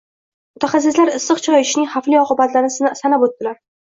Mutaxassislar issiq choy ichishning xavfli oqibatlarini sanab oʻtdilar.